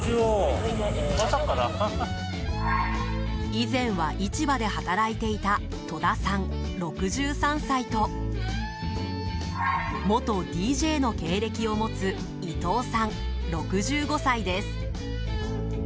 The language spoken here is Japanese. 以前は市場で働いていた戸田さん、６３歳と元ＤＪの経歴を持つ伊藤さん、６５歳です。